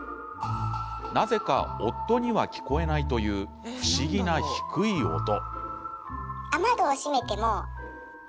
なぜか、夫には聞こえないという不思議な低い音。